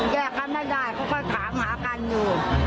แยกกันไม่ได้เขาก็ถามหากันอยู่